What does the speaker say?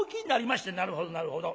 「なるほどなるほど。